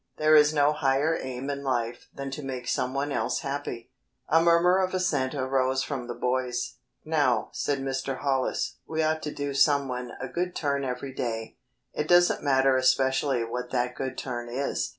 There is no higher aim in life than to make some one else happy." A murmur of assent arose from the boys. "Now," said Mr. Hollis, "we ought to do some one a good turn every day. It doesn't matter especially what that good turn is.